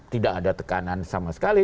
tidak ada tekanan sama sekali